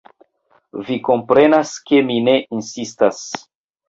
Vi komprenas, ke mi ne insistas.